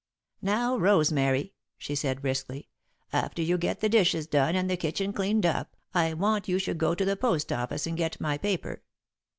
"Now, Rosemary," she said, briskly, "after you get the dishes done and the kitchen cleaned up, I want you should go to the post office and get my paper.